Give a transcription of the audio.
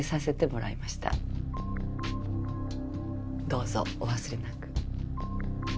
どうぞお忘れなく。